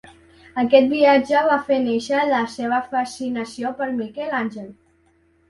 Aquest viatge va fer néixer la seva fascinació per Miquel Àngel.